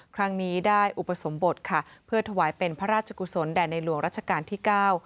ครั้งนี้ได้อุปสมบทค่ะเพื่อถวายเป็นพระราชกุศลแด่ในหลวงรัชกาลที่เก้า